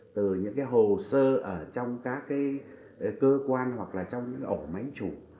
từ những cái hồ sơ ở trong các cái cơ quan hoặc là trong những ổ máy chủ